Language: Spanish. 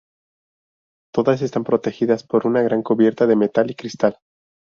Todas están protegidas por una gran cubierta de metal y cristal.